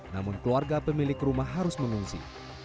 namun keluarga pemilik rumah harus mengungsi